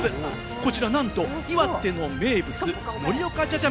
こちらなんと岩手の名物・盛岡じゃじゃ